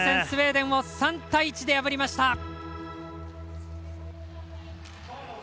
スウェーデンを３対１で破りました。